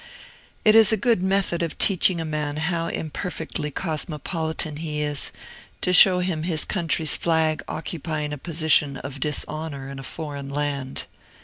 It is a good method of teaching a man how imperfectly cosmopolitan he is, to show him his country's flag occupying a position of dishonor in a foreign land.